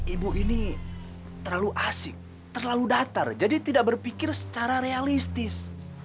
ibu ini terlalu asik terlalu datar jadi tidak berpikir secara realistis